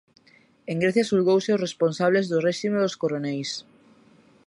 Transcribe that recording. En Grecia xulgouse aos responsables do réxime dos coroneis.